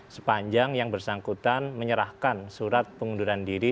sepanjang yang bersangkutan menyerahkan surat pengunduran diri